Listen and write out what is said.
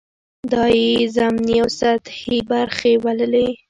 دا یې ضمني او سطحې برخې بللې.